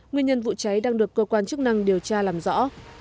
nguyên nhân vụ cháy đang được cơ quan chức năng điều tra làm rõ